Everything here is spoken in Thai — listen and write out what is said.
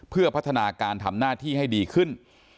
เพื่อพัฒนาการทำหน้าที่ให้ดีขึ้น